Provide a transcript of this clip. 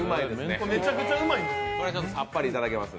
めちゃくちゃうまいです。